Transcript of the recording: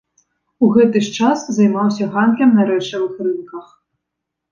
У гэты ж час займаўся гандлем на рэчавых рынках.